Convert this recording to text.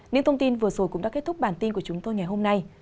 những thông tin vừa rồi cũng đã kết thúc bản tin của chúng tôi ngày hôm nay